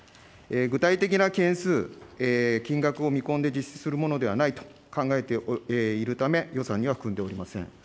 具体的な件数、金額を見込んで実施するものではないと考えているため、予算には含んでおりません。